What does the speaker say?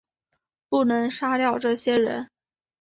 不能杀掉这些人